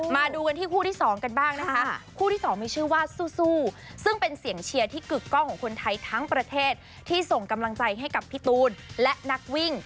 มาดูกันที่คู่ที่สองกันบ้างนะคะคู่ที่สองมีชื่อว่าสู้ซึ่งเป็นเสียงเชียร์ที่กึกกล้องของคนไทยทั้งประเทศที่ส่งกำลังใจให้กับพี่ตูนและนักวิ่ง